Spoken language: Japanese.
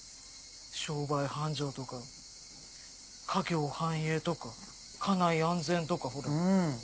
「商売繁盛」とか「家業繁栄」とか「家内安全」とか。